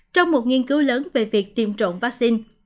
trong một nghiên cứu lớn về việc tiêm trộn vaccine